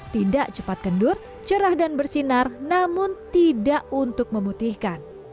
tidak cepat kendur cerah dan bersinar namun tidak untuk memutihkan